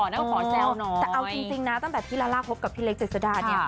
แล้วก็ขอแซวหน่อยแต่เอาจริงนะตั้งแต่พี่ลาล่าพบกับพี่เล็กเจ็ดสดาเนี่ย